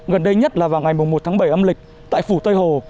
gần đây nhất là vào ngày một tháng bảy âm lịch tại phủ tây hồ